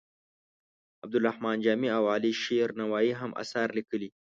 عبدالرحمان جامي او علي شیر نوایې هم اثار لیکلي.